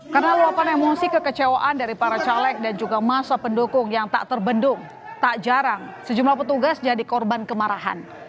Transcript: karena luapan emosi kekecewaan dari para caleg dan juga masa pendukung yang tak terbendung tak jarang sejumlah petugas jadi korban kemarahan